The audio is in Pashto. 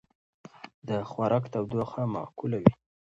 د خوراک تودوخه معقوله وي.